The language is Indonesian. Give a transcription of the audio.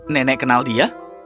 nenek kenal dia